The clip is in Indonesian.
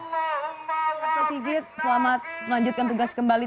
pak sigit selamat melanjutkan tugas kembali